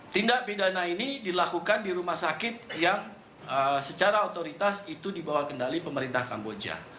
tindak pidana ini dilakukan di rumah sakit yang secara otoritas itu dibawa kendali pemerintah kamboja